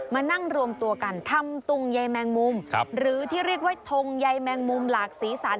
มานั่งรวมตัวกันทำตุงใยแมงมุมหรือที่เรียกว่าทงใยแมงมุมหลากสีสัน